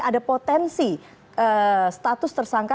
ada potensi status tersangka